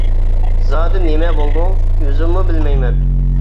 — زادى نېمە بولدۇڭ؟ — ئۆزۈممۇ بىلمەيمەن.